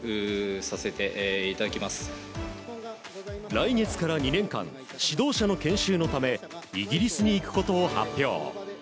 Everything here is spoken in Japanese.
来月から２年間指導者の研修のためイギリスに行くことを発表。